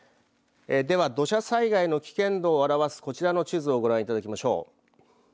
では、土砂災害の危険度を表すこちらの地図をご覧いただきましょう。